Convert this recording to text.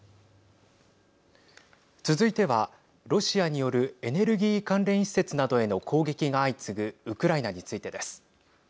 続いては、ロシアによるエネルギー関連施設などへの攻撃が相次ぐウクライナについてです。